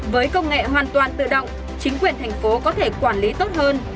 với công nghệ hoàn toàn tự động chính quyền thành phố có thể quản lý tốt hơn